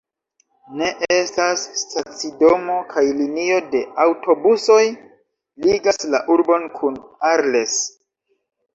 Ne estas stacidomo, kaj linio de aŭtobusoj ligas la urbon kun Arles.